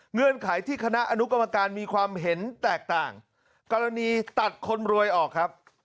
เงื่อนไขที่คณะอนุกรรมการมีความเห็นแตกต่างกรณีตัดคนรวยออกครับ